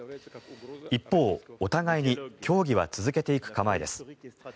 一方、お互いに協議は続けていく構えです。